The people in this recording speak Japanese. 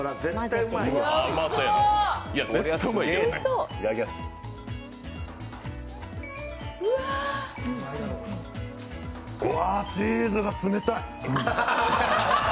うわ、チーズが冷たい。